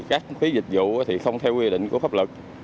các phí dịch vụ thì không theo quy định của pháp luật